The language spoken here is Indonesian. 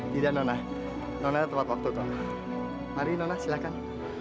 tidak nona nona ada tempat waktu kok mari nona silahkan